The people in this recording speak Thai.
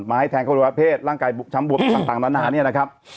ไม้แทงอวัยวะเพศร่างกายช้ำบวบต่างนานเนี่ยนะครับ